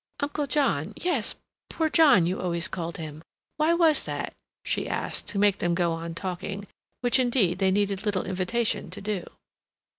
"Uncle John—yes, 'poor John,' you always called him. Why was that?" she asked, to make them go on talking, which, indeed, they needed little invitation to do.